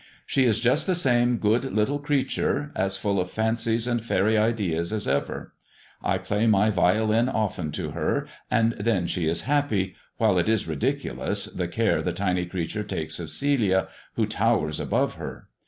"She is just the same good little creature, as full of fancies and faery ideas as ever. I play my violin often to her and then she is happy, while it is ridiculous the care the tiny creature takes of Celia, who towers above her.